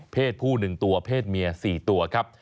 เพศผู้๑ตัวเพศเมีย๔ตัวครับ